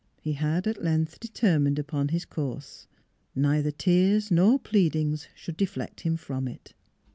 He had at length determined upon his course. Neither tears nor pleadings should deflect him from it.